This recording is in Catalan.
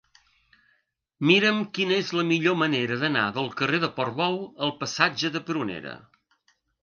Mira'm quina és la millor manera d'anar del carrer de Portbou al passatge de Prunera.